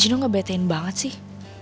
jino ngebetain banget sih